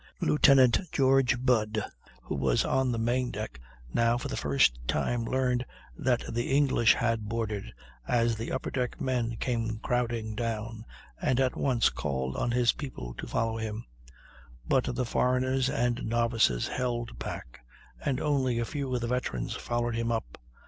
Lieutenant George Budd, who was on the main deck, now for the first time learned that the English had boarded, as the upper deck men came crowding down, and at once called on his people to follow him; but the foreigners and novices held back, and only a few of the veterans followed him up.